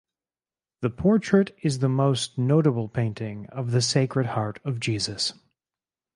The portrait is the most notable painting of the Sacred Heart of Jesus.